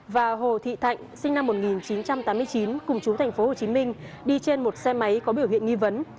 và hồ thị thạnh sinh năm một nghìn chín trăm tám mươi chín cùng chú thành phố hồ chí minh đi trên một xe máy có biểu hiện nghi vấn